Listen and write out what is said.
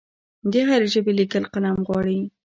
د هرې ژبې لیکل قلم غواړي.